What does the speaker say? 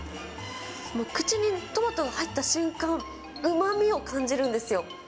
口にトマトが入った瞬間、うまみを感じるんですよ。